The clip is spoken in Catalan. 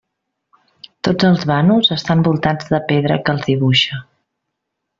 Tots els vanos estan voltats de pedra que els dibuixa.